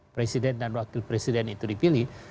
presiden dan wakil presiden itu dipilih